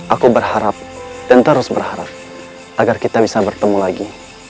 aku berharap dan terus berharap agar kita bisa bertemu lagi